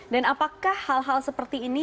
apakah hal hal seperti ini